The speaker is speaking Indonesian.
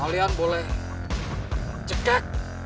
kalian boleh mengecek